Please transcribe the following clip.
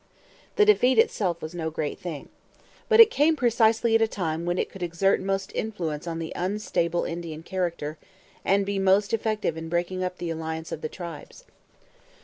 The defeat itself was no great thing. But it came precisely at a time when it could exert most influence on the unstable Indian character and be most effective in breaking up the alliance of the tribes.